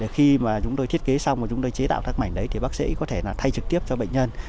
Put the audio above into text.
khi mà chúng tôi thiết kế xong và chúng tôi chế tạo các mảnh đấy thì bác sĩ có thể là thay trực tiếp cho bệnh nhân